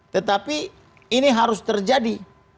tetapi ini harus terjadi